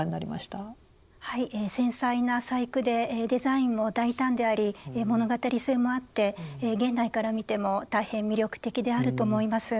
繊細な細工でデザインも大胆であり物語性もあって現代から見ても大変魅力的であると思います。